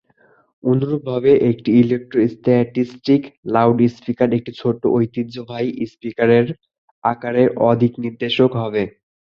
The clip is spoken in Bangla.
অনুরূপভাবে, একটি ইলেক্ট্রোস্ট্যাটিক লাউডস্পীকার একটি ছোট ঐতিহ্যবাহী স্পিকারের আকারের অ-দিকনির্দেশক হবে।